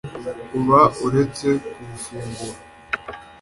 uba uretse kubufungura